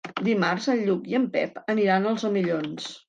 Dimarts en Lluc i en Pep aniran als Omellons.